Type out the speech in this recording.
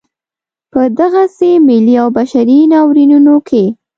په دغسې ملي او بشري ناورینونو کې.